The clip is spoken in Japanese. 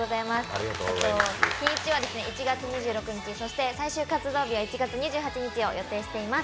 日にちは１月２６日、そして最終活動日は１月２８日を予定しています。